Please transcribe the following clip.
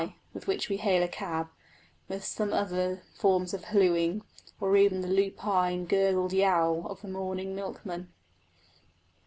with which we hail a cab, with other forms of halooing; or even the lupine gurgled yowl of the morning milkman.